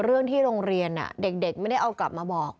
เรื่องที่โรงเรียนเด็กไม่ได้เอากลับมาบอก